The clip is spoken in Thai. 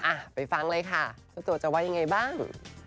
อ่ะไปฟังเลยค่ะตัวจะไว้ยังไงบ้าง